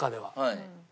はい。